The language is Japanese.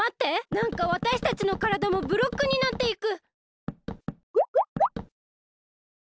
なんかわたしたちのからだもブロックになっていく！